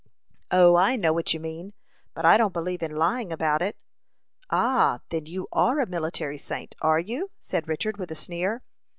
"O, I know what you mean, but I don't believe in lying about it." "Ah, then you are a military saint are you?" said Richard, with a sneer.